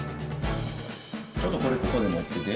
ちょっとこれここでもってて。